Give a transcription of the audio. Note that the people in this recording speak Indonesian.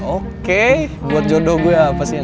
oke buat jodoh gue apa sih